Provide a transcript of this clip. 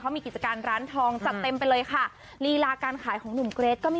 เดี๋ยวให้คุณผู้ชมดูรูปพร้อมกัน